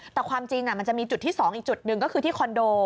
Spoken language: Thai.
แต่ความจริงมันจะมีจุดที่๒อีกจุดหนึ่งก็คือที่คอนโด